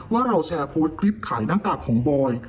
ว่าเราแชร์โพสต์คลิปขายหน้ากากของบอย